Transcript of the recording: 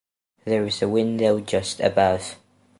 There is a window just above.